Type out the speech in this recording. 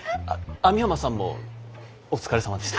網浜さんもお疲れさまでした。